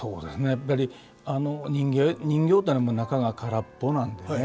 やっぱり人形っていうのは中が空っぽなんでね